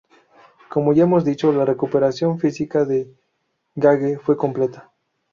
Como ya hemos dicho, la recuperación física de Gage fue completa.